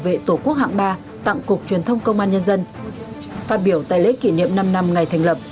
và tặng cục truyền thông công an nhân dân phát biểu tại lễ kỷ niệm năm năm ngày thành lập